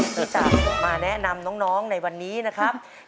รู้จักมาแนะนำน้องในวันนี้นะครับ